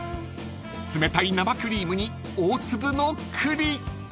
［冷たい生クリームに大粒の栗］